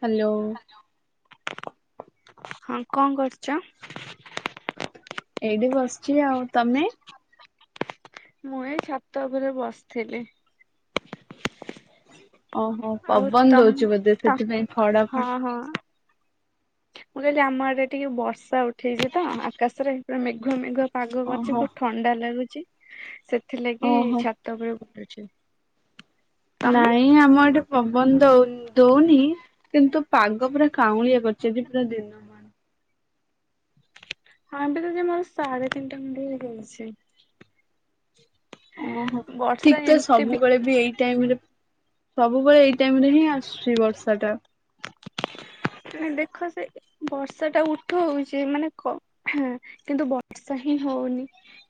Hello. ହଁ କଣ କରୁଛ? ଏଇଠି ବସଚି ଆଉ ତମେ? ମୁଁ ଛାତ ଉପରେ ବସିଥିଲି। ଓହୋ ଆଉ ପବନ ତମ ଦଉଛି ବୋଧେ ତମ ସେଥିପାଇଁ ଫଡା ହଁ ଫ ହଁ। ମୁଁ କହିଲି ଆମ ଆଡ଼େ ଟିକେ ବର୍ଷା ଉଠେଇଛି ତ ଆକାଶରେ ପୁରା ମେଘୁଆ ମେଘୁଆ। ପାଗ କରଛି ଓହୋ ବହୁତ ଥଣ୍ଡା ଲାଗୁଛି ସେଥିଲାଗି ଓହୋ ଛାତ ଉପର ଅଛି। ନାଇଁ ଆମର ଏଟେ ପବନ ଦଉ ଦଉନି କିନ୍ତୁ ପାଗ ପୁରା କାଉଁଳିଆ କରିଚି ପୁରା ଦିନ ମାନ। ହୁଁ। ହଁ ଯେ ମୋର ସାଢ଼େ ତିନିଟା ଖଣ୍ଡେ ହେଇଚି। ଓହୋ ଠିକ ତ ସବୁବେଳେ ବି ଏଇ ଟାଇମ ରେ ସବୁବେଳେ ଏଇ ଟାଇମ ରେ ହିଁ ଆସୁଛି ବର୍ଷା ଟା। ମ ଦେଖ ସେ ବର୍ଷା ଟା ଉଠଉଛି ମାନେ କିନ୍ତୁ ବର୍ଷା ହିଁ ହଉ ହଉନି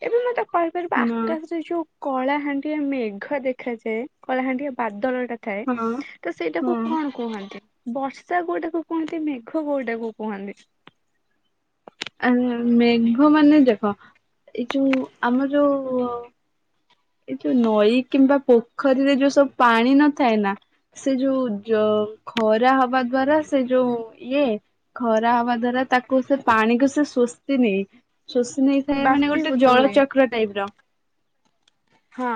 ଏବେ ମୁଁ ତା କହିପାରିବ ନା ଆକାଶରେ ଯୋଉଁ କଳାହାଣ୍ଡିଆ ମେଘ ଦେଖାଯାଏ। କଳାହାଣ୍ଡିଆ ବାଦଲ ଥାଏ ହଁ ତ ସେଇଟାକୁ ହଁ କଣ କୁହନ୍ତି? ବର୍ଷା କୋଉଁଟାକୁ କୁହନ୍ତି ମେଘ କୋଉଁଟା କୁ କୁହନ୍ତି? ଆ ମେଘ ମାନେ ଦେଖ ଏଇ ଯୋଉଁ ଆମର ଯୋଉଁ ଏଇ ଯୋଉଁ ନଈ କିମ୍ବା ପୋଖରୀରେ ଯୋଉଁ ସବୁ ପାଣି ନଥାଏ ନା ସେ ଯୋଉଁ ଯ ଖରା ହବା ଦ୍ଵାରା ସେ ଯୋଉଁ ଇଏ ଖରା ହବା ଦ୍ଵାରା ତାକୁ ସେ ପାଣିକୁ ସେ ଶୋଷିନିଏ। ଶୋଷି ନେଇଥାଏ ମାନେ ଗୋଟେ ବାଷ୍ପୀଭୂତ ହୁଏ ଜଳଚକ୍ର ଟାଇପ ର। ହଁ।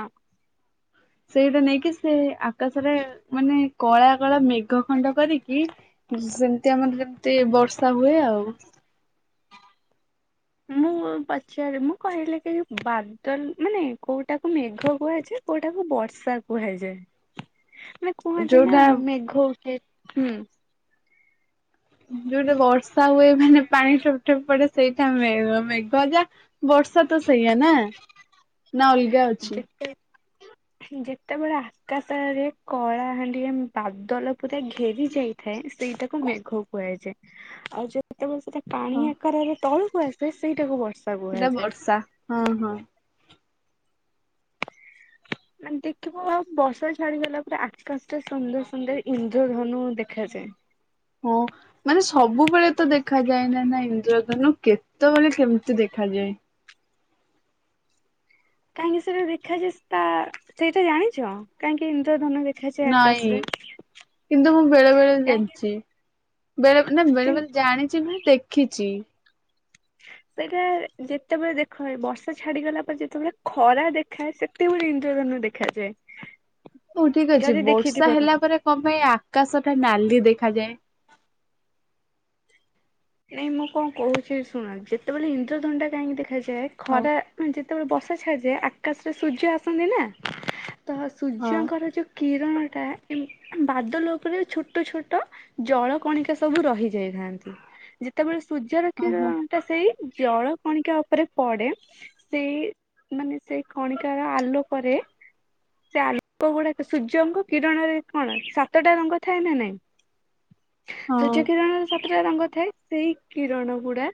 ସେଇଟା ନେଇକି ସେ ଆକାଶରେ ମାନେ କଳା କଳା ମେ ମେଘ ଖଣ୍ଡ କରିକି ସେମିତି ଆମର ଯେମିତି ବର୍ଷା ହୁଏ ଆଉ। ମୁଁ ପଚା ମୁଁ କହିଲି କି ବାଦଲ ମାନେ କୋଉଟାକୁ ମେଘ କୁହାଯାଏ। କୋଉଟାକୁ ବର୍ଷା କୁହାଯାଏ? ହଁ ମାନେ କୁହନ୍ତି ନା ମେଘ ଉଠେ, ହୁଁ। ଯୋଉଟା ବର୍ଷା ହୁଏ ମାନେ ପାଣି ଠୋପ୍ ଠୋପ ପଡେ ସେଇଟାମେ ମେଘ ଯା ବ ବର୍ଷା ତ ସେଇଆ ନା ନା ଅଲଗା ଅଛି। ଯେତେ ହ ଯେତେବେଳେ ଆକାଶ ରେ କଳାହାଣ୍ଡିଆ ବାଦଲ ପୁରା ଘେରି ଯାଇଥାଏ ସେ ସେଇଟାକୁ ମେଘ କୁହାଯାଏ, ଆଉ ଯେତେବେଳେ ସେଟା ପାଣି ହଁ ଆକାରରେ ତଳକୁ ଆସେ ସେଇଟାକୁ ବର୍ସ ସେଟା ବର୍ଷା ହଁ ହଁ। ମାନେ ଦେଖିବୁ ଆଉ ବର୍ଷା ଛାଡିଗଲା ପରେ ଆକାଶ ଟା ସୁନ୍ଦର ସୁନ୍ଦର ଇନ୍ଦ୍ରଧନୁ ଦେଖା ଆରେ ହଁ ମାନେ ସବୁବେଳେ ତ ଦେଖା ଯାଏନା ଇନ୍ଦ୍ରଜନୁ କେତେବେଳେ କେମିତି ଦେଖାଯା ଯାଏ। କାହିଁକି ସେଟା ଦେଖାଯାଏ ତା ସେଇଟା ଜାଣିଚ କାହିଁକି ଇଦ୍ର ଦେଖାଯାଏ ନାଇଁ ଆକାଶରେ କିନ୍ତୁ ମୁଁ ବେଳେ ବେଳେ କାହିଁକି ଯାଇଚି। ବେଳେ ନା କିନ୍ ବେଳେବେଳେ ଜାଣିଚି ନୁ ଦେଖିଚି। ହଁ। ସେଇଟା ଯେତେବେଳେ ଦେଖାଏ ବର୍ଷା ଛାଡିଗଲା ପରେ ଯେତେବେଳେ ଖରା ଦେଖାଏ ସେତେବେଳେ ଇନ୍ଦ୍ରଧ ଦେଖାଯାଏ। ହଉ ଠିକ ଅଛି, ଯଦି ଦେଖିଥିବ ବର୍ଷା ହେଲା ତମେ। ପରେ କଣ ପାଇଁ ଆକାଶ ଟା ନାଲି ଦେଖାଯାଏ? ନାଇଁ ମୁଁ କଣ କହୁଚି ଶୁଣଛି ଯେତେବେଳେ ଇନ୍ଦ୍ରଧଣ୍ଡା କାହିଁକି ଦେଖି ଦେଖାଯାଏ ହଉ ଖରା ମାନେ ଯେତେବେଳେ ବର୍ଷା ଛାଡାଯାଏ ଆକାଶରେ ସୂର୍ଯ୍ୟ ଆସନ୍ତି ନା! ତ ହଁ। ସୂର୍ଯ୍ୟଙ୍କର କି ଣଟା ବାଦ ଲୋକରେ ଛୋଟ ଛୋଟ ଜଳ କଣିକା ସବୁ ରହିଯାଇଥାନ୍ତି। ଯେତେବେଳେ ସୂର୍ଯ୍ୟର ହଁ କ୍ଷୀର ହଁ ଟା ସେଇ ଜଳ କଣିକା ଉପରେ ପଡେ ସେ ମାନେ ସେଇ କଣିକାର ଆଲୋକୋକରେ ସେ ଆଲୋକ ଗୁଡାକ ସୂର୍ଯ୍ୟଙ୍କ କିରଣରେ କଣ ସାତଟା ରଙ୍ଗ ଥାଏ ନା ନା ହ ସୂର୍ଯ୍ୟ କିରଣର ସାତଟା ରଙ୍ଗ ଥାଏ, ସେଇ କିରଣ ଗୁଡା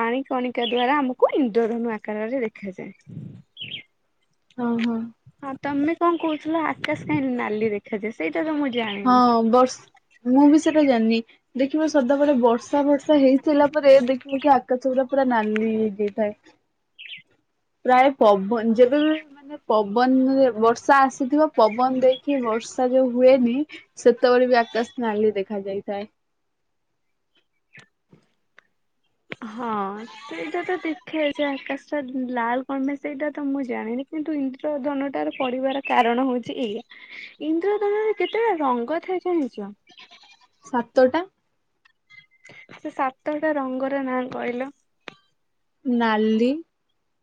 ପାଣି କଣିକା ଦ୍ଵାରା ଆମକୁ ଇନ୍ଦଧନୁ ଆକାରରେ ଦେଖାଯାଏ। ହଁ ହଁ। ହଁ ତମେ କଣ କୋହୁଥିଲ ଆକାଶ କାହିଁକି ନାଲି ଦେଖାଯାଏ, ସେ ହଁ ବ ମୁଁ ବି ସେ ପୁରା ଜାଣିନି ଦେଖିବ ସଦାବେଳେ ବର୍ଷା ବର୍ଷା ହେଇସାରିଲ ପରେ ଦେଖିବୁ କି ଆକାଶ ପୁରା ପୁରା ନାନି ହେଇଯାଇଥାଏ। ପ୍ରାୟ ପବନ ଯେବେବି ମାନେ ପବନରେ ବର୍ଷା ଆସିଥିବ ପବନ ଦେଇକି ବଷ ଯୋଉ ହୁଏନି ସେତେବେଳେ ବି ଆକାଶନାଲି ଦେଖା ଯାଇଥାଏ। ହଁ ସେଇଟା ତ ଦେଖେ ଯେ ଆକାଶ ଟା ଲାଲ କଣମେ ସେଇଟା ତ ମୁଁ ଜାଣିନି ତ ଇନ୍ଦ୍ରଧନୁଠାରୁ ପରିବାର କାରଣ ହେଇଚି ଏଇୟା ଇନ୍ଦ୍ରଧନୁରେ କେତେଟା ରନ ହୁ। ସାତଟା ସେ ସାତଟା ରଙ୍ଗର ନାଁ କହିଲ? ନାଲି,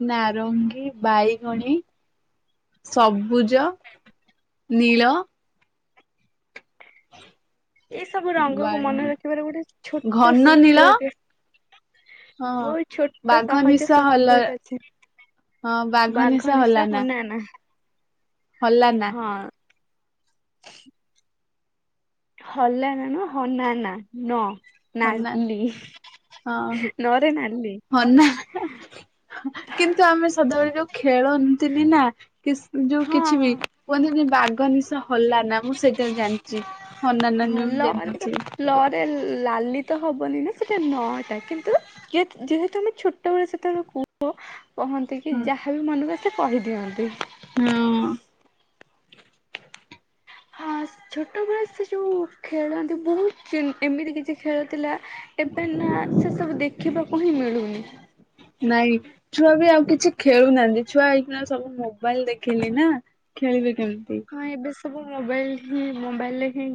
ନାରଙ୍ଗୀ ବାଇଗଣୀ ସବୁଜ ନୀଳ ଆରେ ଏଇ ସବୁ ରଙ୍ଗକୁ ମନେ ରଖିବାର ଗୋଟେ ଛୋଟ ଘନ ନୀଳ ସୂତ୍ରଟି ହଁ ବହୁ ଛୋଟ ବାଘ ସହଜ ନିଶ ହଲ ସୂତ୍ରଟେ ଅଛି। ହଁ ନିଶ ବାଘ ନୀସ ହଲାନା ହନାନା। ହଲାନା। ହଁ ହଲାନା ନୁହଁ ହନାନା ନ। ହନା ନାଲି ହଁ ନରେ ନା ହନା କିନ୍ତୁ ଆମେ ସଦାବେଳେ ଯୋଉ ଖେଳନ୍ତିନି ନା କିସ୍ ଯୋଉ ହଁ। କିଛି ବି କୁହନ୍ତିନି ବାଘ ନୀସ ହଲାନା ମୁଁ ସେଇଟା ଜାଣିଚି, ହନାନା ନୁହଁ ବୋଲି ଜାଣିନଥିଲି। ରେ ଲାଲି ତ ହବନି ନା ସେଟା ନଟା କିନ୍ତୁ ଯେହେତୁ ଯେହେତୁ ଆମେ ଛୋଟବେଳେ ସେତବେଳୁ କହନ୍ତି କି ହୁଁ। ଯାହାବି ମନକୁ ଆସେ କହିଦିଅନ୍ତି। ହଁ ହଁ ଛୋଟବେଳେ ସେ ଯୋଉ ଖେଳନ୍ତି ବହୁତ ଚି ଏମିତି କିଛି ଖେଳଥିଲା ଏବେ ନା ସେ ସବୁ ଦେଖିବାକୁ ହିଁ ମିଳୁନି। ନାଇଁ ଛୁଆ ବି ଆଉ କିଛି ଖେଳୁନାହାନ୍ତି ଛୁଆ ଏଇଖିଣା ସବୁ ମୋବାଇଲ ଦେଖିଲେ ନା ଖେଳିବି କେମତି? ହଁ ଏବେ ସବୁ ମୋବାଇଲ ହିଁ ମୋବାଇଲରେ ହିଁ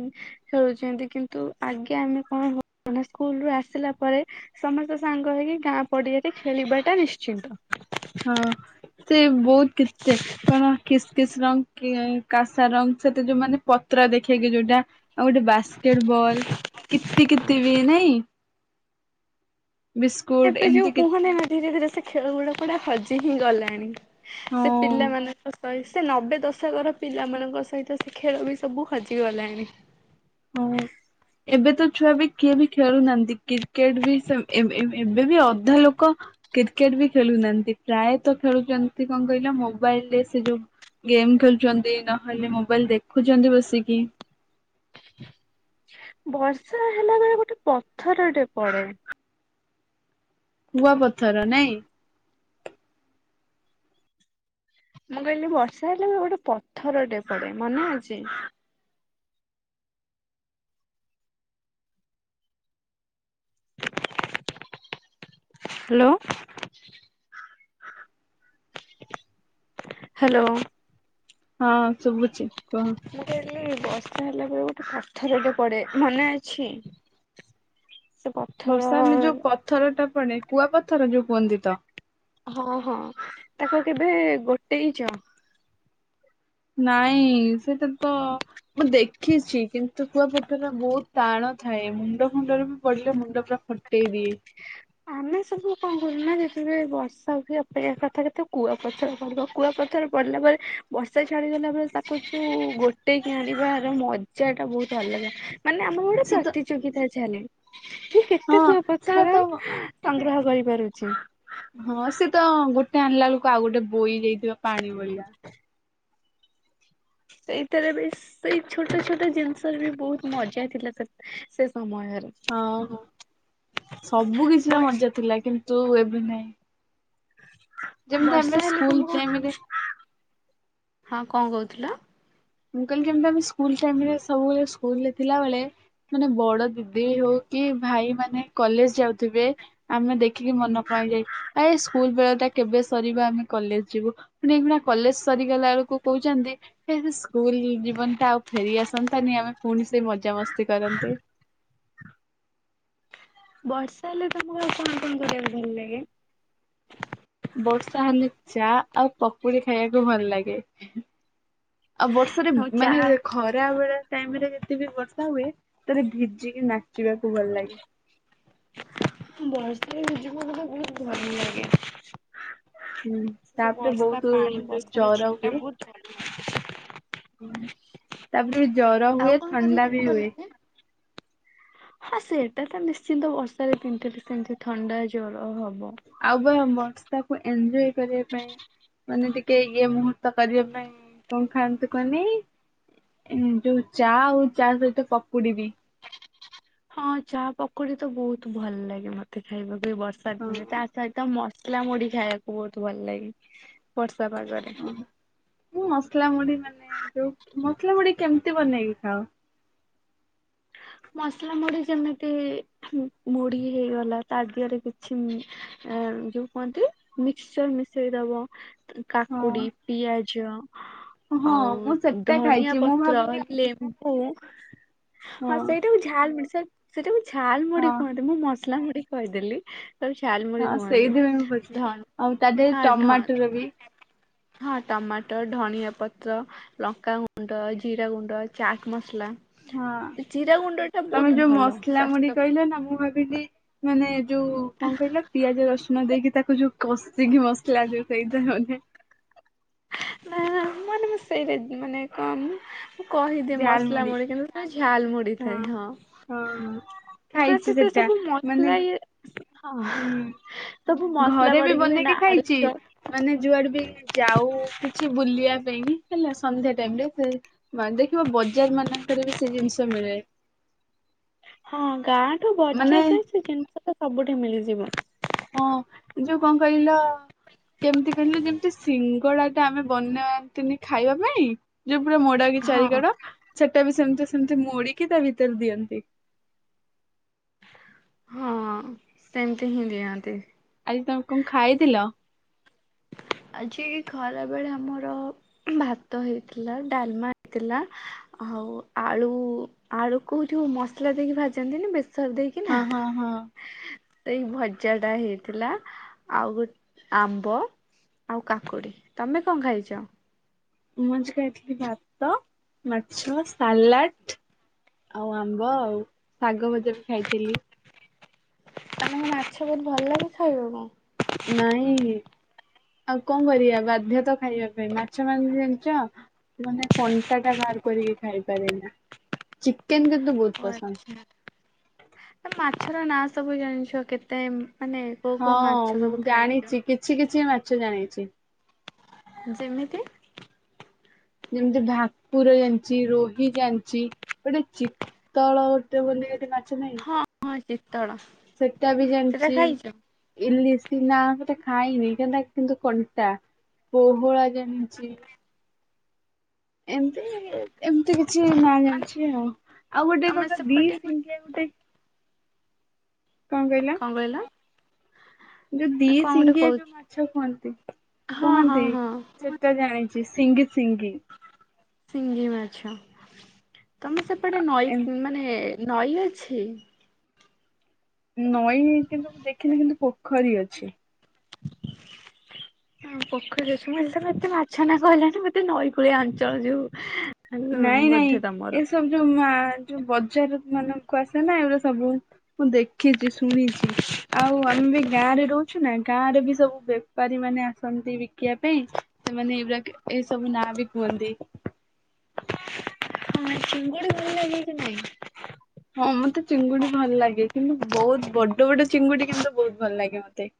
ଖେଳୁଚନ୍ତି କିନ୍ତୁ ଆଗେ ଆମେ କଣ ହ [unintelligible] ସ୍କୁଲରୁ ଆସିଲା ପରେ ସମସ୍ତେ ସାଙ୍ଗ ହେଇକି ଗାଁ ପଡିଆରେ ଖେଳିବାଟା ନିଶ୍ଚିନ୍ତ। ହଁ ସେ ବହୁତ କିତେ କଣ କିସ୍ କିସ୍ ରଙ୍ଗ କି କାସା ରଙ୍ଗ ସେତ ଯୋଉ ମାନେ ପତ୍ର ଦେଖେଇକି ଯୋଉଟା ଆଉ ଗୋଟେ ବାସ୍କେଟ ବଲ, କିତି କିତି ବି ନାଇଁ? ବିସ୍କୁଟ ଏବେ ଯୋଉ ଏମିତି କି କୁହନେଇ ନା ଧୀରେ ଧୀରେ ସେ ଖେଳ ଗୁଡା କୁଆଡ଼େ ହଜି ହିଁ ଗଲାଣି। ସେ ହଁ। ପିଲାମାନଙ୍କ ସେ ନବେ ଦଶକର ପିଲାମାନଙ୍କ ସହିତ ସେ ଖେଳ ବି ସବୁ ହଜିଗଲାଣି। ହଁ। ଏବେ ତ ଛୁଆ ବି କିଏ ବି ଖେଳୁନାହାଁନ୍ତି, କ୍ରିକେଟ ବି ସେମ୍ ଏ-ଏ-ଏବେ ବି ଅଧା ଲୋକ କ୍ରିକେଟ ବି ଖେଳୁନାହାଁନ୍ତି, ପ୍ରାୟତଃ ଖେଳୁଛନ୍ତି କଣ କହିଲ ମୋବାଇଲରେ ସେ ଯୋଉ ଗେମ୍ ଖେଳୁଛନ୍ତି, ନହେଲେ ମୋବାଇଲ ଦେଖୁଛନ୍ତି ବସିକି ବର୍ଷା ହେଲା ବେଳେ ଗୋଟେ ପଥରଟେ ପଡେ କୁଆ ପଥର ନାଇଁ? ମୁଁ କହିଲି ବର୍ଷା ହେଲେ ବି ଗୋଟେ ପଥରଟେ ପଡେ ମନେ ଅଛି? ହ୍ୟାଲୋ। ହ୍ୟାଲୋ। ହଁ ଶୁଭୁ ମୁଁ କହିଲି ବର୍ଷା ହେଲା ପରେ ଗୋଟେ ପଥରଟେ ପଡେ ମନେ ଅଛି? ସେ ପଥର ବର୍ଷା ହେଲେ ଯୋଉ ପଥରଟା ପଡେ, କୁଆପଥର ଯୋଉ କୁହନ୍ତି ତ? ହଁ ହଁ ତାକୁ କେବେ ଗୋଟେଇଚ? ନାଇଁ ସେଇଟା ତ ମୁଁ ଦେଖିଛି କିନ୍ତୁ କୁଆପଥରର ବହୁତ ଟାଣ ଥାଏ, ମୁଣ୍ଡ ଫୁଣ୍ଡରେ ବି ପଡିଲେ ମୁଣ୍ଡ ପୁରା ଫଟେଇ ଦିଏ। ଆମେ ସବୁ କଣ କରୁ ନା ଯେତେବେଳେ ବର୍ଷା ହୁଏ ଅପେକ୍ଷା କରିଥାଉ କେତେବେ କୁଆପଥର ପଡିବ। କୁଆପଥ ଥର ପଡିଲା ପରେ ବର୍ଷା ଛାଡିଦେଲା ପରେ ତାକୁ ଯୋଉ ଗୋଟେଇକି ଆଣିବାର ମଜା ଟା ବହୁତ ଭଲ ଲାଗେ, ମାନେ ଆମ ବେଳେ ସେ ତ ପ୍ରତିଯୋଗିତା ଚାଲେ ମୁଁ କେତେ ହଁ ସେଟା କୁଆପଥର ତ ସଂଗ୍ରହ କରିପାରୁଛି? ହଁ ସେ ତ ଗୋଟେ ଆଣିଲା ବେଳକୁ ଆଉ ଗୋଟେ ବୋଇ ଯାଇଥିବ ପାଣି ଭଳିଆ। ସେଇଥିରେ ବି ସେଇ ଛୋଟ ଛୋଟ ଜିନିଷରେ ବି ବହୁତ ମଜା ଥିଲା ସେତ ସେ ସମୟରେ। ହଁ ହଁ ସବୁ କିଛିର ବର୍ଷ ମଜା ଥିଲା କିନ୍ତୁ ଏବେ ନାଇଁ। ବର୍ଷା ହେଲେ ଟାଇମରେ [unintelligible] ହଁ କଣ କହୁଥିଲ? ମୁଁ କହିଲି କେମତି ତମେ ସ୍କୁଲ ଟାଇମ୍ ରେ ସବୁବେଳେ ସ୍କୁଲରେ ଥିଲାବେଳେ, ମାନେ ବଡ ଦିଦି ହଉ କି ଭାଇ ମାନେ କଲେଜ ଯାଉଥିବେ ଆମେ ଦେଖିକି ମନ କଣ ହେଇଯାଏ ଆ ଏ ସ୍କୁଲ ବେଳେ ଟା କେବେ ସରିବା ଆମେ କଲେଜ ଯିବୁ ପୁଣି ଏଇନା କଲେଜ ସରିଗଲା ବେଳକୁ କହୁଛନ୍ତି। ଏଇ ଯୋଉ ସ୍କୁଲ ଜୀବନ ଟା ଆଉ ଫେରି ଆସନ୍ତାନି। ଆମେ ପୁଣି ସେଇ ମଜାମସ୍ତି କରନ୍ତି। ବର୍ଷା ହେଲେ ତମର କଣ କଣ କରିବାକୁ ଭଲ ଲାଗେ? କୁଡି ଖାଇବାକୁ ଭଲ ଲାଗେ। ଆଉ ବର୍ଷରେ ଆଉ ମାନେ ଚାହା ଖରା ବେଳେ ଟାଇମ ରେ ଯେତେବି ବର୍ଷା ହୁଏ। ସେତେବେଳେ ଭିଜିକି ନାଚ୍ ଚିବାକୁ ଭଲ ଲାଗେ। ବର୍ଷାରେ ଭିଯିବୁ ମାନେ ବହୁତ ଭଲ ଲାଗେ। ହୁଁ ସେ ଯୋଉ ତାପରେ ବହୁତ ବର୍ଷା ପାଣି ଯୋଉ ବର୍ଷାର ଜର ଛିଟା ହୁଏ। ବହୁତ ଭଲ ଲାଗେ। ତାପରେ ଜର ହୁଏ ଥଣ୍ଡା ବି ହୁଏ। ହଁ ସେଇଟା ତ ନିଶ୍ଚିନ୍ତ ବର୍ଷାରେ ପିନ୍ଧଥିଲି ସେମିତି ଥଣ୍ଡା ଜର ହବ। ଆଉ ବ ବର୍ଷାକୁ ଏନଞ୍ଜୟ କରିବା ପାଇଁ ମାନେ ଟିକେ ଇଏ ମୁହୂର୍ତ୍ତ କରିବା ପାଇଁ କଣ ଖାଆନ୍ତୁ କୁହନି? ଯୋଉ ଚା ଆଉ ଚା ସହିତ ପକୁଡିବି ହଁ ଚା ପକୁଡି ତ ବହୁତ ଭଲ ଲାଗେ ମତେ ଖାଇବାକୁ ବି ବର୍ଷା ହଁ। ଦିନରେ ତା ସହିତ ମ ସଲା ମୁଢି ଖାଇବାକୁ ବହୁତ ଭଲ ଲାଗେ। ବର୍ଷ ଓ ମୁଁ ମସଲା ମୁଢି ମାନେ ଯୋଉ ମ ସଲା ମୁଢି କେମିତି ବନେଇକି ଖାଅ? ହଁ। ମସଲା ମୁଢ ଯେମିତି ମୁଢି ହେଇଗଲା ତା ଦିହରେ କିଛି ଯୋଉ କୁହନ୍ତି ମିକସଚର ମିଶେଇ ଦବ ହଁ କାକୁଡି ପିଆଜ ହଁ ମୁଁ ଆଉ ସେଟା ଖାଇଛି ଧଣିଆ ମୁଁ ପତ୍ର ଭାବିଲି କି ଲେମ୍ବୁ ହଁ ସେଇଟା ମୁ ଝାଲ ମୁଢ ସେଇଟା ମୁଁ ଝାଲ ମୁଢି ହଁ କୁହନ୍ତି ମୁଁ ମସଲା ମୁଢି କହିଦେଲି। ତାକୁ ଝାଲ ମୁଢି ହଁ କୁହନ୍ତି ସେଇଥିପାଇଁ ମୁଁ ପଚାରିଲି ଧନ୍ ଆଉ ତା ଦେହରେ ହଁ ଧନ୍ ଟମାଟର ବି ହଁ ଟମାଟୋ ଧନିଆ ପତ୍ର ଲଙ୍କାଗୁଣ୍ଡ ଜିରା ଗୁଣ୍ଡ ଚାଟ ମସଲା ହଁ ଜିରା ଗୁଣ୍ଡ ଟା ବହୁତ ତମେ ଯୋଉ ଭଲ ମସଲା ମୁଢି ସ୍ୱାସ୍ଥ୍ୟ ପାଇଁ। କହିଲ ନା ମୁଁ ଭାବିଲି ମାନେ ଯୋଉ କଣ କହିଲା ପିଆଜ ରସୁଣ ଦେଇକି ତାକୁ ଯୋଉ କଷିକି ମସଲା ଯୋଉ ଦେଇଥାଉ ମାନେ ନା ମାନେ ମୁଁ ସେଇଟା ମାନେ କଣ ମୁଁ କହିଦିଏ ମସଲା ଝାଲମୁଢି ମୁଡି କିନ୍ତୁ ଝାଲ ମୁଡି ହଁ ହେଇଥାଏ ହଁ ଖାଇଛି ସେଥିରେ ସେଟା ସବୁ ମାନେ ମସଲା ଇଏ ହଁ ହୁଁ ତ ଘରେ ବି ବନେଇକି ଖାଇଛି ମାନେ ଯୁଆଡେ ବି ଯାଉ କିଛି ବୁଲିବା ପାଇଁ ହେଲା ସନ୍ଧ୍ୟା ଟାଇମରେ ଦେଖିବା ବଜାର ମାନଙ୍କରେ ବି ସେ ଜିନିଷ ମିଳେ [inaudible] ହଁ ଗାଁଠୁ ମାନେ ବର୍ଜ ଯେ ହଁ ସେ ଜିନିଷ ତ ସବୁଠି ମିଳିଯିବ। ହଁ ଯୋଉ କଣ କହିଲ? କେମିତି କହିଲ ଯେମତି ସିଙ୍ଗଡା ଟା ଆମେ ବନାନ୍ତିନି ଖାଇବା ପାଇଁ ଯୋଉ ପୁରା ମୋଡା କି ଚାରି ହଁ କଡ ଟା ବି ସେମିତି ସେମତି ମୋଡିକି ତା ଭିତରେ ଦିଅନ୍ତି। ହଁ ସେମିତି ହିଁ ଦିଅନ୍ତି। ଆଜି ତମେ କ ଖାଇଥିଲ? ଆଜି ଖରା ବେଳେ ଆମର ଭାତ ହେଇଥିଲା ଡାଲମା ହେଇଥିଲା। ଆଉ ଆଳୁ ଆଳୁକୁ ଯୋଉ ମସଲା ଦେଇକି ଭାଜନ୍ତି ନା ବେଶ ସବୁ ହଁ ଦେଇକିନା ହଁ ହଁ ଏଇ ଭଜା ଟା ହେଇଥିଲା ଆଉ ଗୋଟେ ଆମ୍ବ ଆଉ କାକୁଡି। ତମେ କଣ ଖାଇଛ? ମୁ ଆଜି ଖାଇଥିଲି ଭାତ ମାଛ ସାଲାଡ ଆଉ ଆମ୍ବ ଆଉ ଶାଗ ଭଜା ବି ଖାଇଥିଲି। ଆମକୁ ମାଛ ବହୁତ ଭଲ ଲାଗେ। ଖାଇବ କଣ? ନାଇଁ ଆଉ କଣ କରିବା ବାଧ୍ୟ ତ ଖାଇବା ପାଇଁ ମାଛ ମାର ଜଣିଛ? ମାନେ କଣ୍ଟା ଟା ବାହାର କରିକି ଖାଇପାରେ ନା ଚିକେନ କେ ଓ ଆଛା ମାଛର ନାଁ ସବୁ ଜାଣିଛ କେତେ ମାନେ କୋଉ କୋଉ ହଁ ମାଛ ମୁଁ ସବୁ ଖାଇଛ? ଜାଣିଛି କିଛି କିଛି ମାଛ ଜାଣିଛି। ଯେମିତି ଯେମିତି ଭାକୁର ଜାଣିଛି ରୋହି ଜାଣିଛି ଗୋଟେ ଚିତ୍ତଳ ଗୋଟେ ବୋଲି ଗୋଟେ ମା ହଁ ହଁ ଯେ ସେଟା ବି ଜାଣିଛି ଇଲିସ୍ ନା ସେଟା ଖାଇନି କେତା କିନ୍ତୁ କଣ୍ଟା ପୋହଳା ଜାଣିଛି। ଏମ ଏମିତି କି ଛି ନାଁ ମାନେ ଜାଣିଛି ଆଉ ଆଉ ଗୋଟେ ତମେ କଣ ଦୀ ସେପଟେ କଣ ସୀଙ୍ଗିଆ ଗୋଟେ କଣ କହିଲା? କହିଲ ଯୋଉ ଦି ନା କଣ ଗୋଟେ ସିଙ୍ଗିଆ କହୁ ଯୋଉ ମାଛ ଖୁଅନ୍ତି। ହଁ ହଁ କୁହନ୍ତି ହଁ। ସେଟା ଜାଣିଛି ସିଙ୍ଗି ସିଙ୍ଗି ସିଂଙ୍ଗି ମାଛ ତମେ ସେପଟେ ନଈ ମାନେ ନଈ ଅଛି? ନଈ କିନ୍ତୁ ମୁ ଦେଖିନି କିନ୍ତୁ ପୋଖର ଅଛି। ପୋଖରୀ ମୁଁ ଭାବିଲି ତମେ ଏତେ ମାଛ ନା କହିଲଣି ମତେ ନଈକୂଳିଆ ଅଞ୍ଚଳ ଯୋଉ ନାଇଁ ନାଇଁ ବୋଧେ ତମର। ଏସବୁ ଯୋଉ ମା ଯୋଉ ବଜାର ମାନ କୁ ଆସେ ନା ଏଗୁଡା ସବୁ ମୁଁ ଦେଖିଛି ଶୁଣିଛି ଆଉ ଆମେ ଏ ଗାଁ ରେ ରହୁଛୁ ନା ଗାଁରେ ବି ସବୁ ବେପାରୀ ମାନେ ଆସନ୍ତି ବିକିବା ପାଇଁ ସେମାନେ ଏରୁ ଏଇସବୁ ନାଁ ବି କୁହନ୍ତି। ହଁ ଚିଙ୍ଗୁଡି ଲାଗେ କି ନାଇଁ? [unintelligible] ହଁ ମତେ ଚିଙ୍ଗୁଡି ଭଲ ଲାଗେ କିନ୍ତୁ ବହୁତ ବଡ ବଡ ଚିଙ୍ଗୁଡି କିନ୍ତୁ ବହୁତ ଭଲ ଲାଗେ ମତେ।